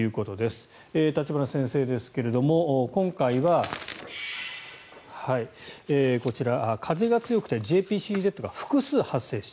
立花先生ですが今回はこちら、風が強くてＪＰＣＺが複数発生した。